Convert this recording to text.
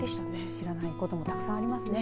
知らないこともたくさんありますね。